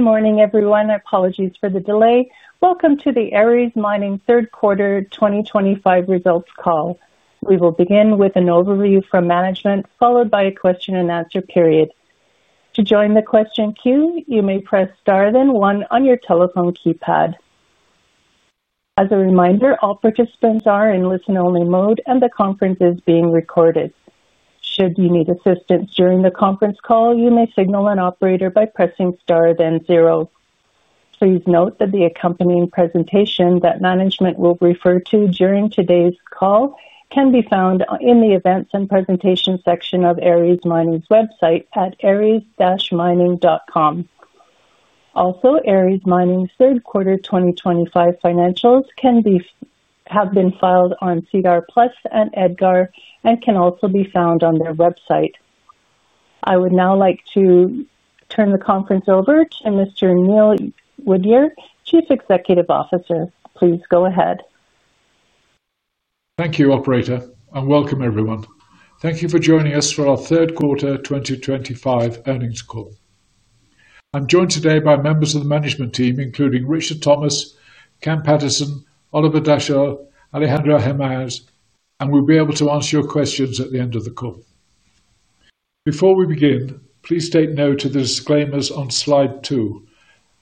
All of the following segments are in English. Good morning everyone, apologies for the delay. Welcome to the Aris Mining third quarter 2025 results call. We will begin with an overview from management, followed by a question and answer period. To join the question queue, you may press star then one on your telephone keypad. As a reminder, all participants are in listen-only mode and the conference is being recorded. Should you need assistance during the conference call, you may signal an operator by pressing star then zero. Please note that the accompanying presentation that management will refer to during today's call can be found in the Events and Presentation section of Aris Mining's website at aris-mining.com. Also, Aris Mining third quarter 2025 financials have been filed on SEDAR+ and EDGAR and can also be found on their website. I would now like to turn the conference over to Mr. Neil Woodyer, Chief Executive Officer. Please go ahead. Thank you, operator, and welcome everyone. Thank you for joining us for our third quarter 2025 earnings call. I'm joined today by members of the management team, including Richard Thomas, Cameron Paterson, Oliver Dachsel, and Alejandro Hermes, and we'll be able to answer your questions at the end of the call. Before we begin, please take note of the disclaimers on slide two,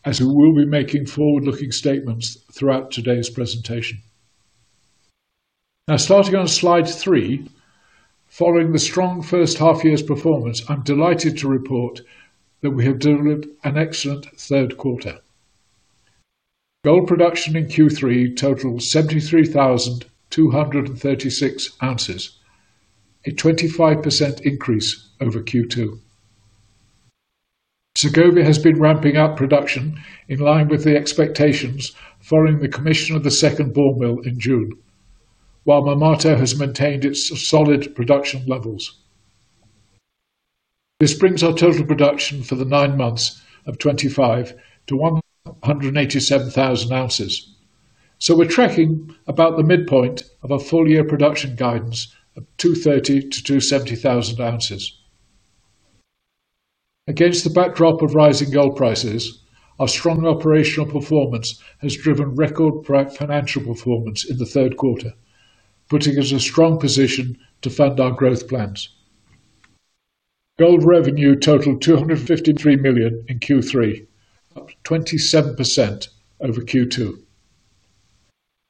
as we will be making forward-looking statements throughout today's presentation. Now, starting on slide three, following the strong first half year's performance, I'm delighted to report that we have delivered an excellent third quarter. Gold production in Q3 totaled 73,236 oz, a 25% increase over Q2. Segovia has been ramping up production in line with the expectations following the commission of the second ball mill in June, while Marmato has maintained its solid production levels. This brings our total production for the nine months of 2025 oz-187,000 oz, so we're tracking about the midpoint of a full-year production guidance of 230,000 oz-270,000 oz. Against the backdrop of rising gold prices, our strong operational performance has driven record financial performance in the third quarter, putting us in a strong position to fund our growth plans. Gold revenue totaled $253 million in Q3, up 27% over Q2.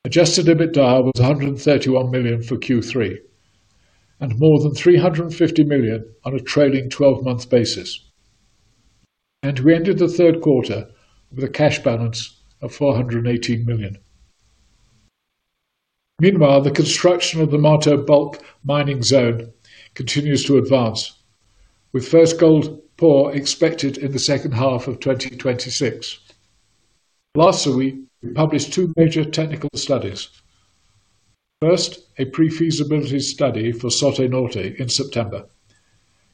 Adjusted EBITDA was $131 million for Q3 and more than $350 million on a trailing twelve-month basis, and we ended the third quarter with a cash balance of $418 million. Meanwhile, the construction of the Marmato Lower Mine bulk mining zone continues to advance, with first gold pour expected in the second half of 2026. Lastly, we published two major technical studies: first, a pre-feasibility study for Soto Norte in September,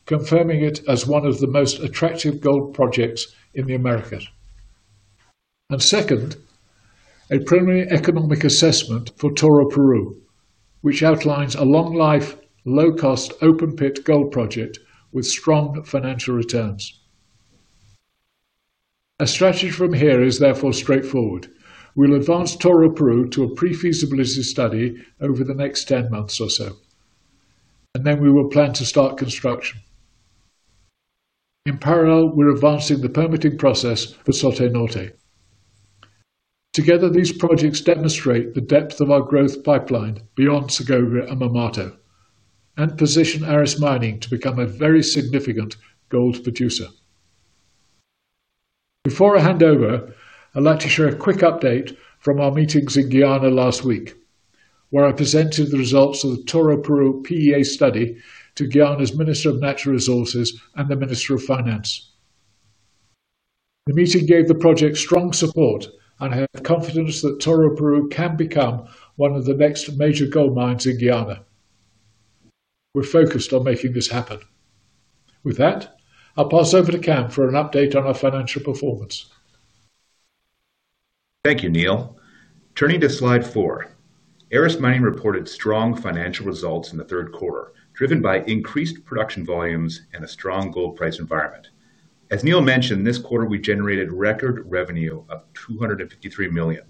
confirming it as one of the most attractive gold projects in the Americas, and second, a preliminary economic assessment for Toroparu, which outlines a long-life, low-cost open pit gold project with strong financial returns. Our strategy from here is therefore straightforward. We'll advance Toroparu to a pre-feasibility study over the next 10 months or so, and then we will plan to start construction. In parallel, we're advancing the permitting process for Soto Norte. Together, these projects demonstrate the depth of our growth pipeline beyond Segovia and Marmato and position Aris Mining to become a very significant gold producer. Before I hand over, I'd like to share a quick update from our meetings in Guyana last week, where I presented the results of the Toroparu PEA study to Guyana's Minister of Natural Resources and the Minister of Finance. The meeting gave the project strong support, and I have confidence that Toroparu can become one of the next major gold mines in Guyana. We're focused on making this happen. With that, I'll pass over to Cam for an update on our financial performance. Thank you, Neil. Turning to slide four, Aris Mining reported strong financial results in the third quarter driven by increased production volumes and a strong gold price environment. As Neil mentioned, this quarter we generated record revenue of $253 million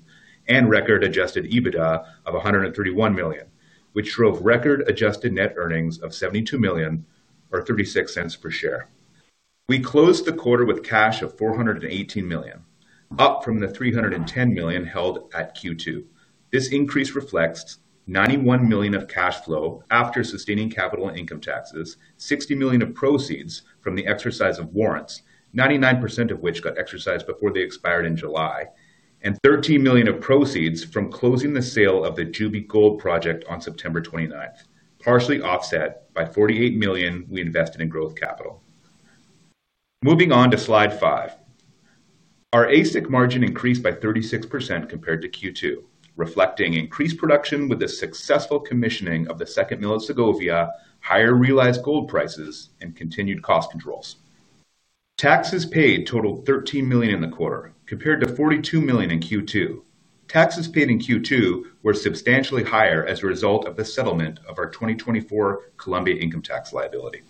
and record adjusted EBITDA of $131 million, which drove record adjusted net earnings of $72 million or $0.36 per share. We closed the quarter with cash of $418 million, up from the $310 million held at Q2. This increase reflects $91 million of cash flow after sustaining capital and income taxes, $60 million of proceeds from the exercise of warrants, 99% of which got exercised before they expired in July, and $13 million of proceeds from closing the sale of the Juby gold project on September 29, partially offset by $48 million we invested in growth capital. Moving on to slide five, our AISC margin increased by 36% compared to Q2, reflecting increased production with the successful commissioning of the second mill at Segovia, higher realized gold prices, and continued cost controls. Taxes paid totaled $13 million in the quarter compared to $42 million in Q2. Taxes paid in Q2 were substantially higher as a result of the settlement of our 2024 Colombia income tax liability.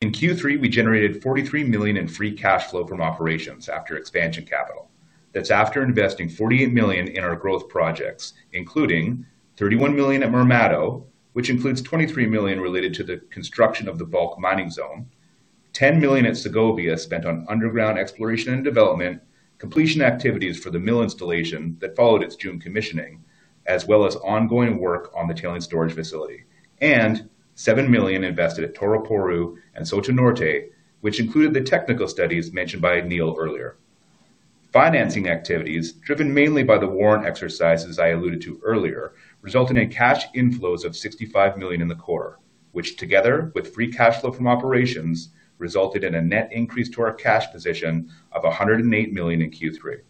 In Q3, we generated $43 million in free cash flow from operations after expansion capital. That's after investing $48 million in our growth projects, including $31 million at Marmato, which includes $23 million related to the construction of the bulk mining zone, $10 million at Segovia spent on underground exploration and development, completion activities for the mill installation that followed its June commissioning, as well as ongoing work on the tailings storage facility, and $7 million invested at Toroparu and Soto Norte, which included the technical studies mentioned by Neil earlier. Financing activities, driven mainly by the warrant exercises I alluded to earlier, resulted in cash inflows of $65 million in the quarter, which together with free cash flow from operations resulted in a net increase to our cash position of $108 million in Q3.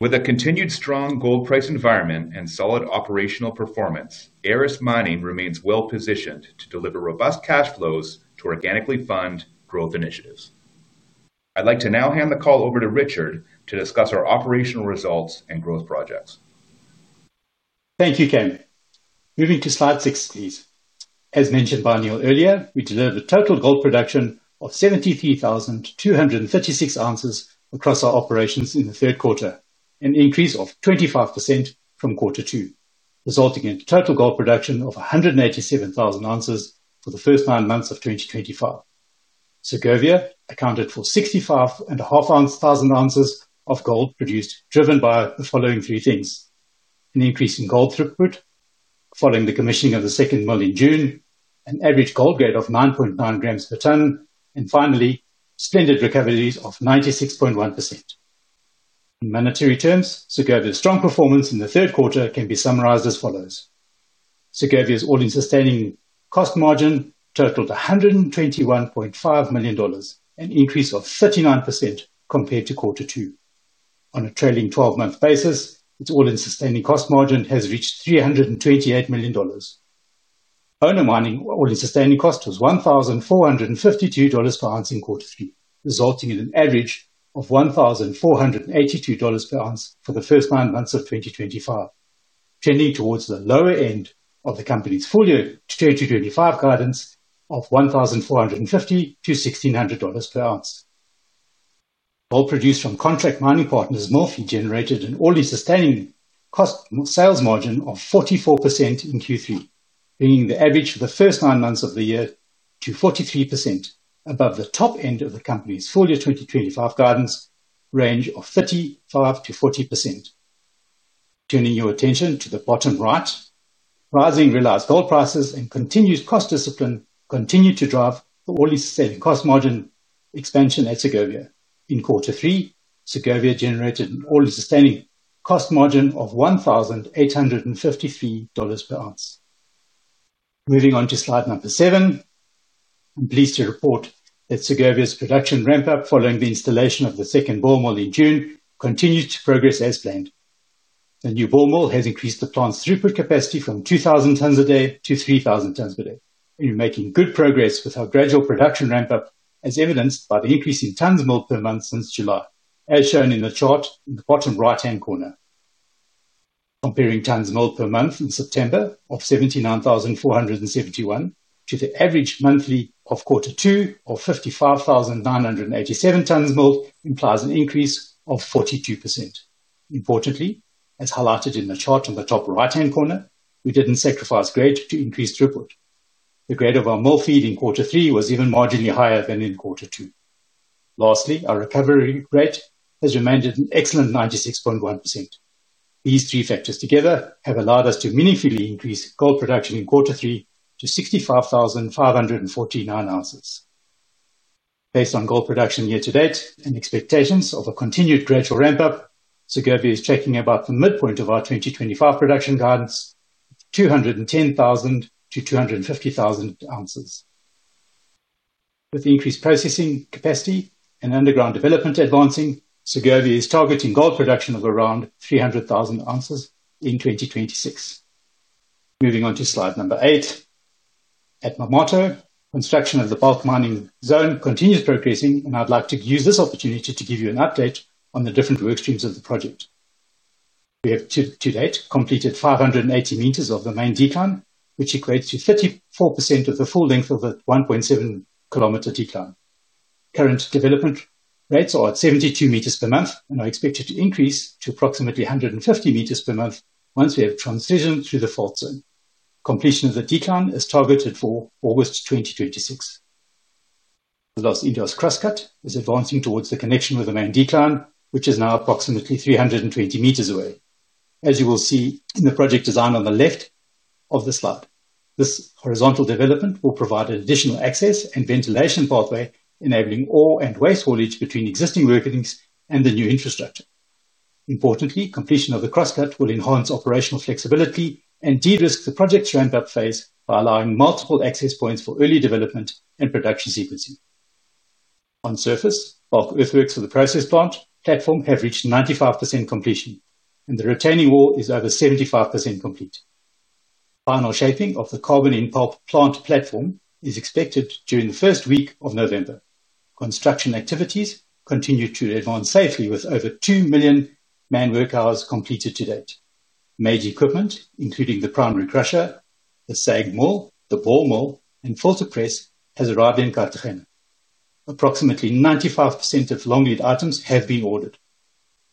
With a continued strong gold price environment and solid operational performance, Aris Mining remains well positioned to deliver robust cash flows to organically fund growth initiatives. I'd like to now hand the call over to Richard to discuss our operational results and growth projects. Thank you. You can move to slide six please. As mentioned by Neil earlier, we delivered a total gold production of 73,236 oz across our operations in the third quarter, an increase of 25% from quarter two, resulting in total gold production of 187,000 oz for the first nine months of 2025. Segovia accounted for 65,500 oz of gold produced, driven by the following three things: an increase in gold throughput following the commissioning of the second mill in June, an average gold grade of 9.9 grams per tonne, and finally, splendid recoveries of 96.1%. In monetary terms, Segovia's strong performance in the third quarter can be summarized as follows: Segovia's all-in sustaining cost margin totaled $121.5 million, an increase of 39% compared to quarter two. On a trailing 12-month basis, its all-in sustaining cost margin has reached $328 million. Owner mining all-in sustaining cost was $1,452 per ounce in quarter three, resulting in an average of $1,482 per ounce for the first nine months of 2025, trending towards the lower end of the company's full-year 2025 guidance of $1,450 per ounce-$1,600 per ounce. Gold produced from contract mining partners mainly generated an all-in sustaining cost sales margin of 44% in Q3, bringing the average for the first nine months of the year to 43%, above the top end of the company's full-year 2025 guidance range of 35%-40%. Turning your attention to the bottom right, rising realized gold prices and continued cost discipline continue to drive the all-in sustaining cost margin expansion at Segovia. In quarter three, Segovia generated an all-in sustaining cost margin of $1,853 per ounce. Moving on to slide number seven, I'm pleased to report that Segovia's production ramp-up following the installation of the second ball mill in June continues to progress as planned. The new ball mill has increased the plant's throughput capacity from 2,000 tonnes per day to 3,000 tonnes per day. We're making good progress with our gradual production ramp-up, as evidenced by the increase in tonnes milled per month since July, as shown in the chart in the bottom right-hand corner. Comparing tonnes milled per month in September of 79,471 to the average monthly of quarter two of 55,987 tonnes milled implies an increase of 42%. Importantly, as highlighted in the chart on the top right-hand corner, we didn't sacrifice grade to increase throughput. The grade of our mill feed in quarter three was even marginally higher than in quarter two. Lastly, our recovery rate has remained at an excellent 96.1%. These three factors together have allowed us to meaningfully increase gold production in quarter three to 65,549 oz. Based on gold production year to date and expectations of a continued gradual ramp-up, Segovia is tracking about the midpoint of our 2025 production guidance, 210,000 to 250,000 oz. With the increased processing capacity and underground development advancing, Segovia is targeting gold production of around 300,000 oz in 2026. Moving on to slide number eight, at Marmato, construction of the bulk mining zone continues progressing, and I'd like to use this opportunity to give you an update on the different work streams of the project. We have to date completed 580 m of the main decline, which equates to 34% of the full length of the 1.7 km decline. Current development rates are at 72 m per month and are expected to increase to approximately 150 m per month once we have transitioned through the fault zone. Completion of the decline is targeted for August 2026. The Los Indios crosscut is advancing towards the connection with the main decline, which is now approximately 320 m away. As you will see in the project design on the left of the slide, this horizontal development will provide additional access and ventilation pathway, enabling ore and waste haulage between existing workings and the new infrastructure. Importantly, completion of the crosscut will enhance operational flexibility and de-risk the project's ramp-up phase by allowing multiple access points for early development and production sequencing. On surface, bulk earthworks for the process plant platform have reached 95% completion, and the retaining wall is over 75% complete. Final shaping of the carbon-in-pulp plant platform is expected during the first week of November. Construction activities continue to advance safely, with over 2 million man-work hours completed to date. Major equipment, including the primary crusher, the SAG mill, the ball mill, and filter press, has arrived in-country. Approximately 95% of long-lead items have been ordered.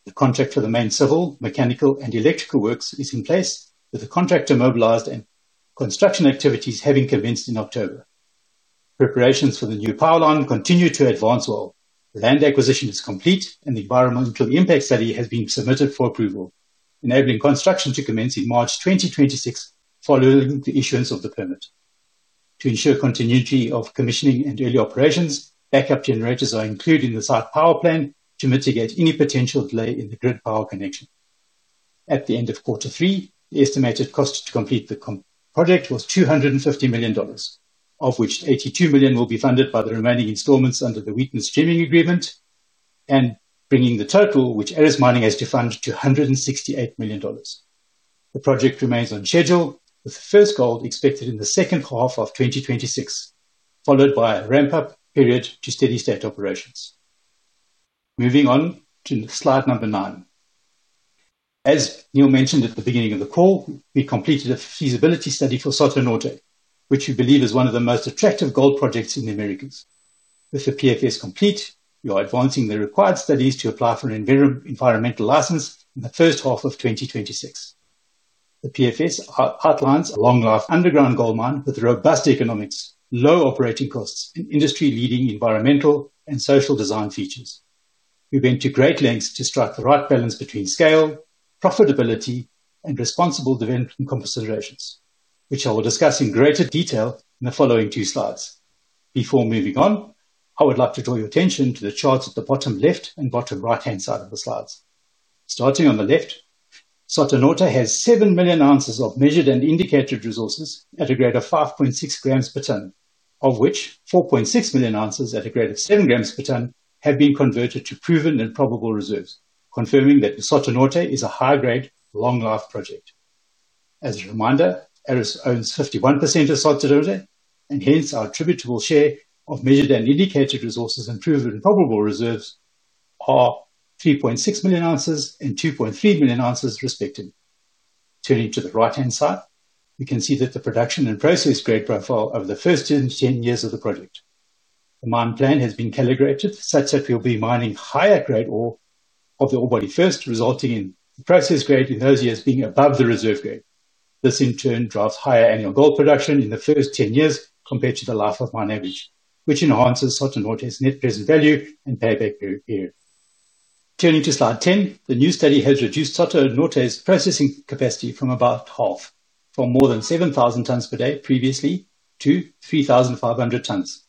The contract for the main civil, mechanical, and electrical works is in place, with the contractor mobilized and construction activities having commenced in October. Preparations for the new power line continue to advance well. The land acquisition is complete, and the environmental impact study has been submitted for approval, enabling construction to commence in March 2026 following the issuance of the permit. To ensure continuity of commissioning and early operations, backup generators are included in the site power plan to mitigate any potential delay in the grid power connection. At the end of quarter three, the estimated cost to complete the project was $250 million, of which $82 million will be funded by the remaining installments under the Wheaton streaming agreement, bringing the total which Aris Mining has to fund to $168 million. The project remains on schedule, with the first gold expected in the second half of 2026, followed by a ramp-up period to steady-state operations. Moving on to slide number nine, as Neil mentioned at the beginning of the call, we completed a feasibility study for Soto Norte, which we believe is one of the most attractive gold projects in the Americas. With the PFS complete, we are advancing the required studies to apply for an environmental license in the first half of 2026. The PFS outlines a long-life underground gold mine with robust economics, low operating costs, and industry-leading environmental and social design features. We went to great lengths to strike the right balance between scale, profitability, and responsible development considerations, which I will discuss in greater detail in the following two slides. Before moving on, I would like to draw your attention to the charts at the bottom left and bottom right-hand side of the slides. Starting on the left, Soto Norte has seven million ounces of measured and indicated resources at a grade of 5.6 grams per tonne, of which 4.6 million oz at a grade of 7 grams per tonne have been converted to proven and probable reserves, confirming that the Soto Norte is a high-grade, long-life project. As a reminder, Aris owns 51% of Soto, and hence our attributable share of measured and indicated resources and proven and probable reserves are 3.6 million oz and 2.3 million oz, respectively. Turning to the right-hand side, you can see the production and process grade profile over the first ten years of the project. The mine plan has been calibrated such that we'll be mining higher-grade ore of the ore body first, resulting in process grade in those years being above the reserve grade. This in turn drives higher annual gold production in the first ten years compared to the life-of-mine average, which enhances Soto Norte's net present value and payback period. Turning to slide 10, the new study has reduced Soto Norte's processing capacity by about half, from more than 7,000 tonnes per day previously to 3,500 tonnes.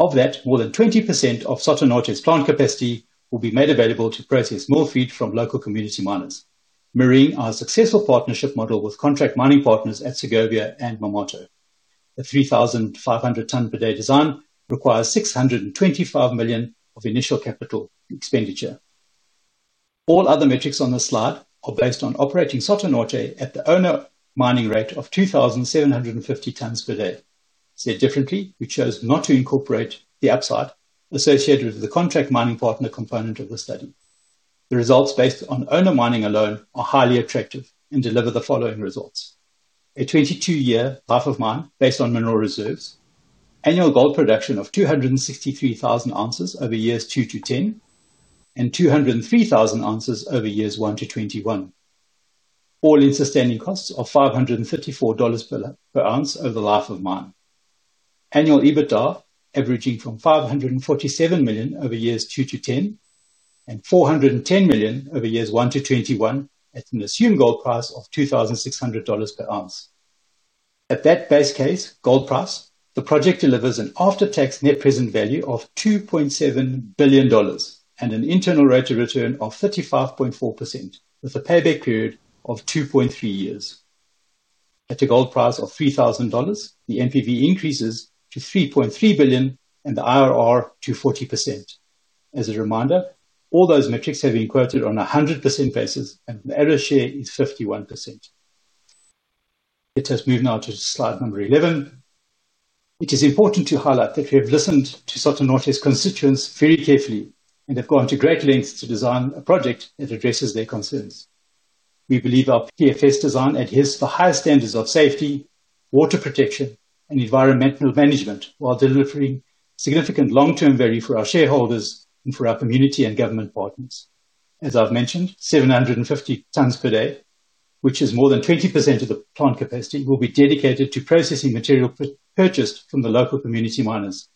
More than 20% of Soto Norte's plant capacity will be made available to process more feed from local community miners, mirroring our successful partnership model with contract mining partners at Segovia and Marmato. A 3,500-tonne-per-day design requires $625 million of initial capital expenditure. All other metrics on this slide are based on operating Soto Norte at the owner mining rate of 2,750 tonnes per day. Said differently, we chose not to incorporate the upside associated with the contract mining partner component of the study. The results based on owner mining alone are highly attractive and deliver the following: a 22-year life of mine based on mineral reserves, annual gold production of 263,000 oz over years two to ten, and 203,000 oz over years one to twenty-one, all-in sustaining costs of $534 per ounce over the life of mine, annual EBITDA averaging from $547 million over years two to 10 and $410 million over years one to 21 at an assumed gold price of $2,600 per ounce. At that base case gold price, the project delivers an after-tax net present value of $2.7 billion and an internal rate of return of 35.4%, with a payback period of 2.3 years. At a gold price of $3,000, the NPV increases to $3.3 billion and the IRR to 40%. As a reminder, all those metrics have been quoted on a 100% basis, and the Aris share is 51%. Let us move now to slide number 11. It is important to highlight that we have listened to Soto Norte's constituents very carefully and have gone to great lengths to design a project that addresses their concerns. We believe our PFS design adheres to high standards of safety, water protection, and environmental management while delivering significant long-term value for our shareholders and for our community and government partners. As I've mentioned, 750 tonnes per day, which is more than 20% of the plant capacity, will be dedicated to processing material purchased from the local community miners,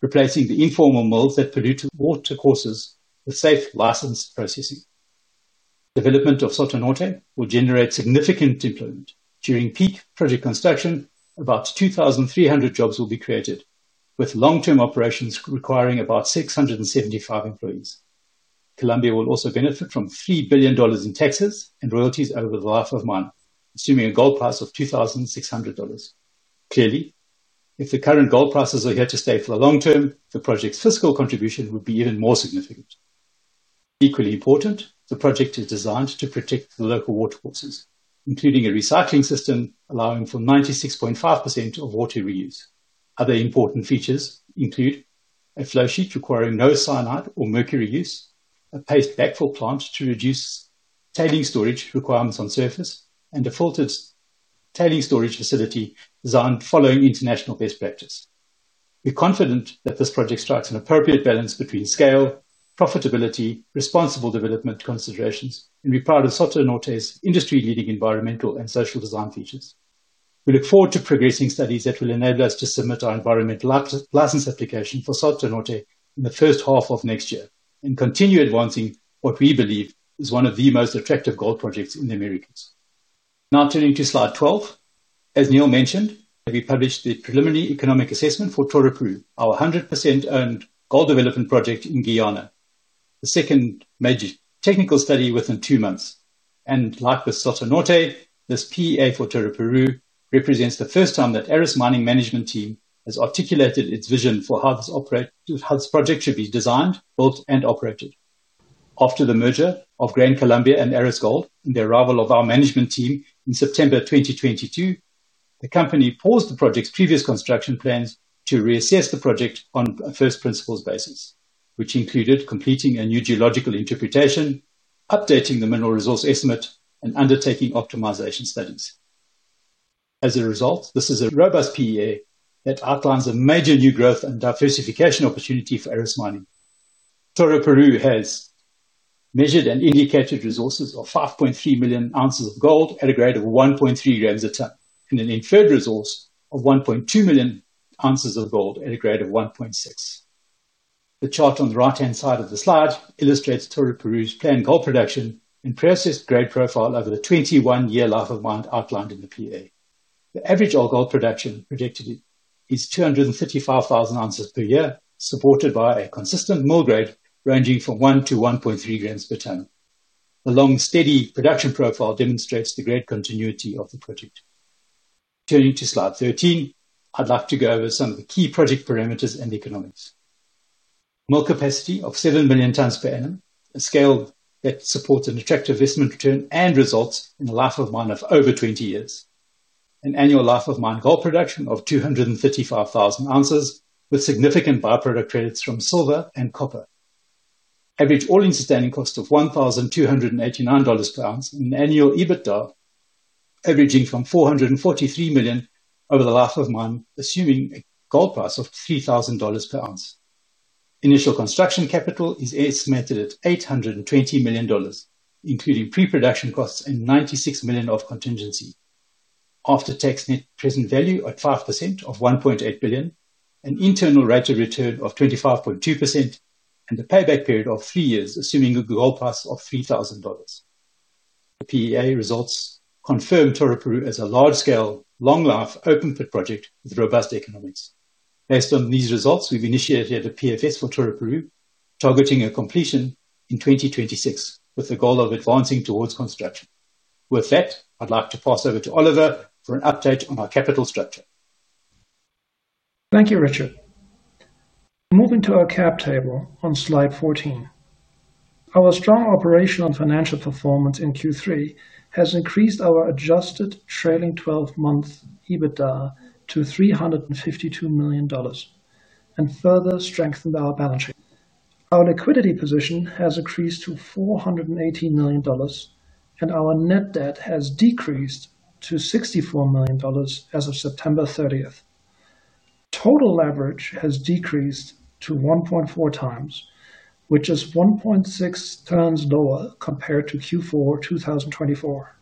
replacing the informal mills that pollute watercourses with safe, licensed processing. Development of Soto Norte will generate significant employment. During peak project construction, about 2,300 jobs will be created, with long-term operations requiring about 675 employees. Colombia will also benefit from $3 billion in taxes and royalties over the life of mine, assuming a gold price of $2,600. Clearly, if the current gold prices are here to stay for the long term, the project's fiscal contribution would be even more significant. Equally important, the project is designed to protect the local water sources, including a recycling system allowing for 96.5% of water reuse. Other important features include a flow sheet requiring no cyanide or mercury use, a paste backfill plant to reduce tailings storage requirements on surface, and a filtered tailings storage facility designed following international best practice. We're confident that this project strikes an appropriate balance between scale, profitability, responsible development considerations, and we're proud of Soto Norte's industry-leading environmental and social design features. We look forward to progressing studies that will enable us to submit our environmental license application for Soto Norte in the first half of next year and continue advancing what we believe is one of the most attractive gold projects in the Americas. Now turning to slide 12, as Neil mentioned, we published the preliminary economic assessment for Toroparu, our 100% owned gold development project in Guyana, the second major technical study within two months. Like with Soto Norte, this PEA for Toroparu represents the first time that the Aris Mining management team has articulated its vision for how this project should be designed, built, and operated. After the merger of GCM Colombia and Aris Gold, the arrival of our management team in September 2022, the company paused the project's previous construction plans to reassess the project on a first principles basis, which included completing a new geological interpretation, updating the mineral resource estimate, and undertaking optimization studies. As a result, this is a robust PEA that outlines a major new growth and diversification opportunity for Aris Mining. Toroparu has measured and indicated resources of 5.3 million oz of gold at a grade of 1.3 grams per tonne and an inferred resource of 1.2 million oz of gold at a grade of 1.6. The chart on the right-hand side of the slide illustrates Toroparu's planned gold production and pre-occupancy grade profile over the 21-year life of mine outlined in the PEA. The average gold production projected is 235,000 oz per year, supported by a consistent mill grade ranging from 1 to 1.3 grams per tonne. The long, steady production profile demonstrates the grade continuity of the project. Turning to slide 13, I'd like to go over some of the key project parameters and economics. Mill capacity of seven million tonnes per annum, a scale that supports an attractive investment return and results in a life of mine of over 20 years. An annual life of mine gold production of 235,000 oz with significant byproduct credits from silver and copper. Average all-in sustaining cost of $1,289 per ounce. An annual EBITDA averaging from $443 million over the life of mine, assuming a gold price of $3,000 per ounce. Initial construction capital is estimated at $820 million, including pre-production costs and $96 million of contingency. After-tax net present value at 5% of $1.8 billion, an internal rate of return of 25.2%, and a payback period of three years, assuming a gold price of $3,000. The PEA results confirm Toroparu as a large-scale, long-life open pit project with robust economics. Based on these results, we've initiated a PFS for Toroparu targeting a completion in 2026 with the goal of advancing towards construction. With that, I'd like to pass over to Oliver for an update on our capital structure. Thank you. Richard, moving to our cap table on slide 14, our strong operational and financial performance in Q3 has increased our adjusted trailing twelve month EBITDA to $352 million and further strengthened our balance sheet. Our liquidity position has increased to $418 million, and our net debt has decreased to $64 million as of September 30th. Total leverage has decreased to 1.4x, which is 1.6x lower compared to Q4 2024.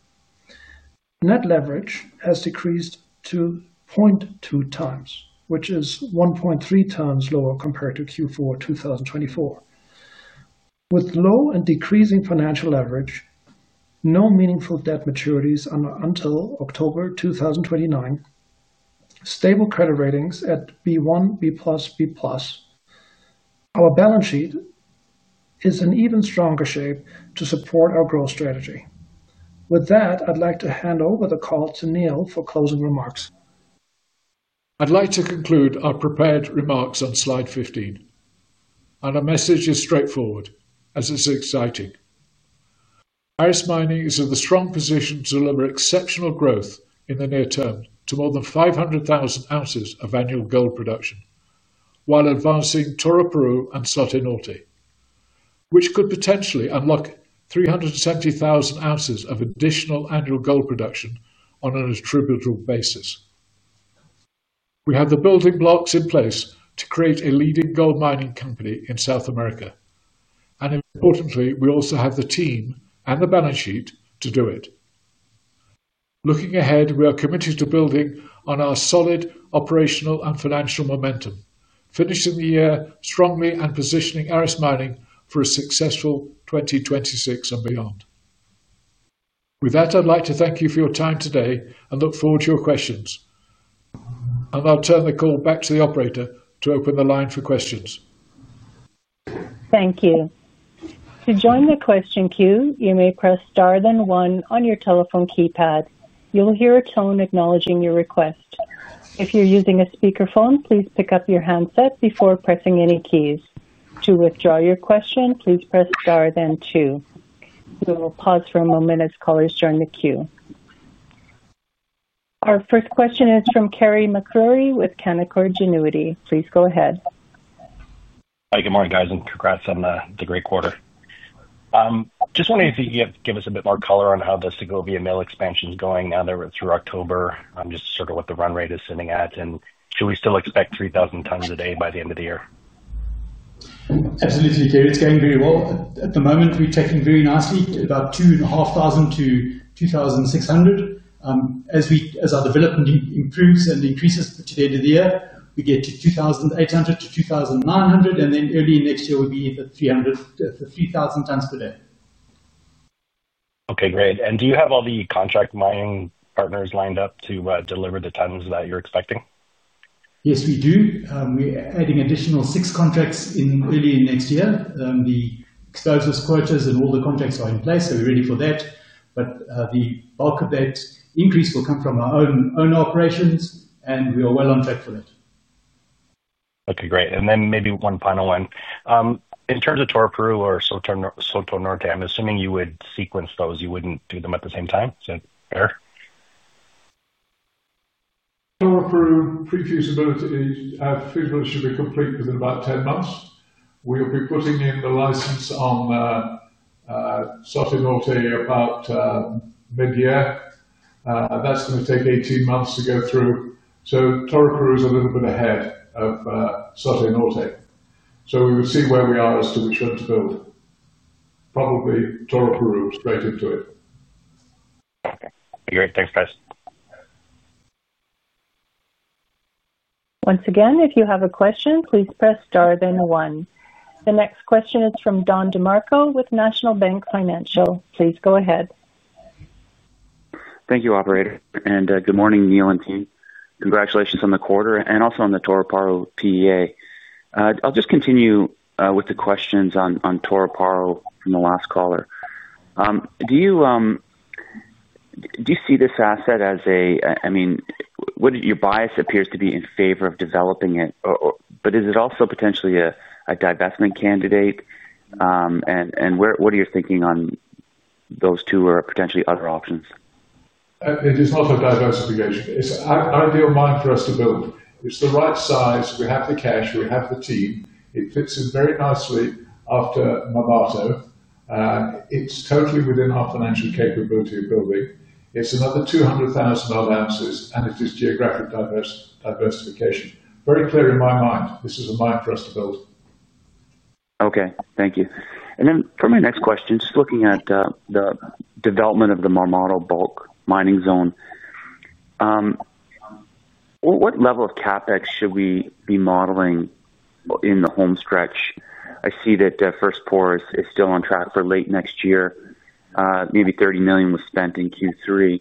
Net leverage has decreased to 0.2x, which is 1.3x lower compared to Q4 2024. With low and decreasing financial leverage, no meaningful debt maturities until October 2029, and stable credit ratings at B1, BB+, our balance sheet is in even stronger shape to support our growth strategy. With that, I'd like to hand over the call to Neil for closing remarks. I'd like to conclude our prepared remarks on slide 15, and our message is straightforward as it's exciting. Aris Mining is in the strong position to deliver exceptional growth in the near term to more than 500,000 oz of annual gold production while advancing Toroparu and Soto Norte, which could potentially unlock 370,000 oz of additional annual gold production on an attributable basis. We have the building blocks in place to create a leading gold mining company in South America, and importantly, we also have the team and the balance sheet to do it. Looking ahead, we are committed to building on our solid operational and financial momentum, finishing the year strongly, and positioning Aris Mining for a successful 2026 and beyond. With that, I'd like to thank you for your time today and look forward to your questions, and I'll turn the call back to the operator to open the line for questions. Thank you. To join the question queue, you may press star then one on your telephone keypad. You'll hear a tone acknowledging your request. If you're using a speakerphone, please pick up your handset before pressing any keys. To withdraw your question, please press star then two. We will pause for a moment as callers join the queue. Our first question is from Carey MacRury with Canaccord Genuity, please go ahead. Hi, good morning guys, and congrats on the great quarter. Just wondering if you could give us a bit more color on how the Segovia plant expansion is going now that we're through October, just sort of what the run rate is sitting at, and should we still expect 3,000 tonnes a day by the end of the year. Absolutely. Gary, it's going very well at the moment. We're ticking very nicely, about 2,500 tonnes- 2,600 tonnes. As our development improves and increases to the end of the year, we get to 2,800 tonnes-2,900 tonnes, and then early next year we'll be 3,000 tonnes per day. Okay, great, and do you have all the contract mining partners lined up to deliver the tons that you're expecting? Yes we do, we're adding additional six contracts in early next year. The exposures, quotas, and all the contracts are in place, so we're ready for that, but the bulk of that increase will come from our own operations, and we are well on track for that. Okay, great, and then maybe one final one. In terms of Toroparu or Soto Norte, I'm assuming you would sequence those, you wouldn't do them at the same time. Time, is that fair? Toroparu pre-feasibility should be complete within about 10 months. We'll be putting in the license on Soto Norte about mid-year. That's going to take 18 months to go through. Toroparu is a little bit ahead of Soto Norte, so we will see where we are as to which one to build, probably Toroparu straight into it. Great. Thanks guys. Once again, if you have a question, please press star then one. The next question is from Don DeMarco with National Bank Financial. Please go ahead. Thank you, operator, and good morning, Neil and team. Congratulations on the quarter and also on the Toroparu PEA. I'll just continue with the questions on Toroparu from the last caller. Do you see this asset as a, I mean, your bias appears to be in favor of developing it, but is it also potentially a divestment candidate, and what are your thinking on those two or potentially other options? It is not a diversification. It's an ideal mine for us to build. It's the right size, we have the cash, we have the team, it fits in very nicely after Marmato. It's totally within our financial capability of building. It's another 200,000 odd ounces, and it is geographic diversification. Very clear in my mind, this is a mine for us. Thank you, and then for my next question, just looking at the development of the Marmato bulk mining zone, what level of CapEx should we be modeling in the home stretch? I see that first pour is still on track for late next year. Maybe $30 million was spent in Q3,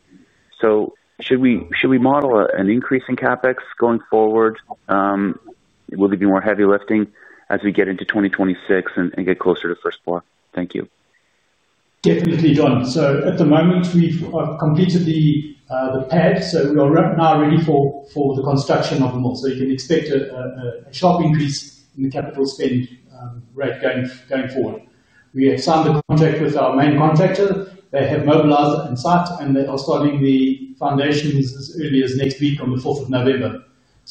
so should we model an increase in CapEx going forward? Will there be more heavy lifting as we get into 2026 and get closer to first? Thank you. Definitely, John. At the moment we've completed the pad, so we are now ready for the construction of the mill. You can expect a sharp increase in the capital spend rate going forward. We have signed the contract with our main contractor, they have mobilized on site, and they are starting the foundations as early as next week on the fourth of November.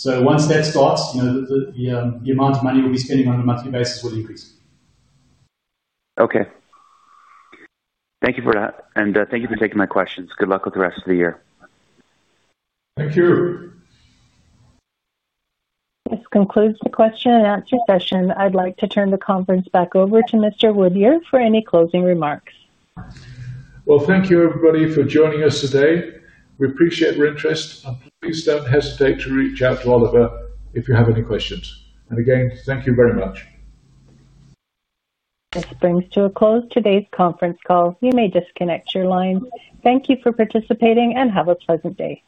Once that starts, the amount of money we'll be spending on a monthly basis will. Okay, thank you for that, and thank you for taking my questions. Good luck with the rest of the year. Thank you. This concludes the question and answer session. I'd like to turn the conference back over to Mr. Woodyer. Any closing remarks? Thank you everybody for joining us today. We appreciate your interest, and please don't hesitate to reach out to Oliver if you have any questions. Again, thank you very much. This brings to a close today's conference call. You may disconnect your lines. Thank you for participating and have a pleasant day.